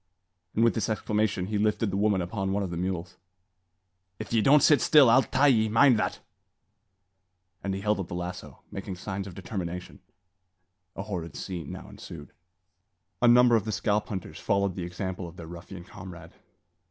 And with this exclamation he lifted the woman upon one of the mules. "If ye don't sit still, I'll tie ye; mind that!" and he held up the lasso, making signs of his determination. A horrid scene now ensued. A number of the scalp hunters followed the example of their ruffian comrade.